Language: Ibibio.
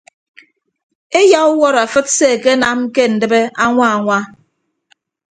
Eyauwọt afịt se akenam ke ndịbe añwa añwa.